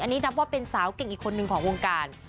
อันนี้นับว่าเป็นสาวเก่งอีกคนนึงของวงการ